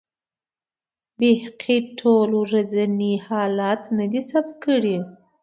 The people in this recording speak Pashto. بیهقي ټول ورځني حالات نه دي ثبت کړي.